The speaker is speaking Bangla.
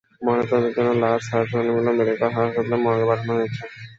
ময়নাতদন্তের জন্য লাশ স্যার সলিমুল্লাহ মেডিকেল কলেজ হাসপাতাল মর্গে পাঠানো হয়েছে।